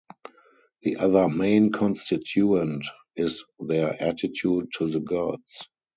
The other main constituent is their attitude to the gods.